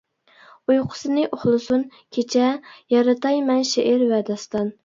ئۇيقۇسىنى ئۇخلىسۇن كېچە، يارىتاي مەن شېئىر ۋە داستان.